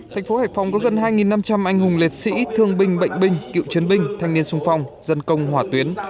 thành phố hải phòng có gần hai năm trăm linh anh hùng liệt sĩ thương binh bệnh binh cựu chiến binh thanh niên sung phong dân công hỏa tuyến